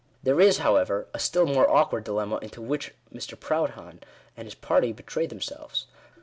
There is, however, a still more awkward dilemma into which M. Proudhon and his party betray themselves.